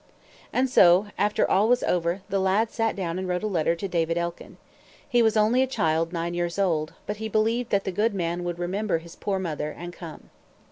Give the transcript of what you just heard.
And so, after all was over, the lad sat down and wrote a letter to David Elkin. He was only a child nine years old, but he believed that the good man would remember his poor mother, and come.